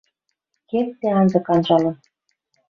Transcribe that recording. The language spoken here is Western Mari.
Кердде анзык анжалын...